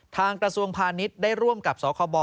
กระทรวงพาณิชย์ได้ร่วมกับสคบ